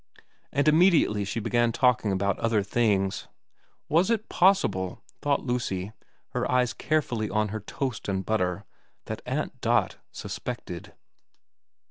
And immediately she began talking about other things. Was it possible, thought Lucy, her eyes carefully on her toast and butter, that Aunt Dot suspected